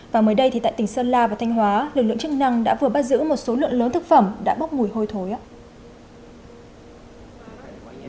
và mới đây thì tại tỉnh sơn la và thanh hóa lực lượng chức năng đã vừa bắt giữ một số lượng lớn thực phẩm đã bốc mùi hôi thối ạ